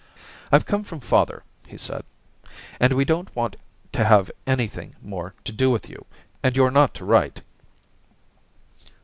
* I've come from father,' he said, * and we don't want to have anything more to do with you, and you're not to write.'